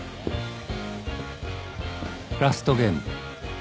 ラストゲーム。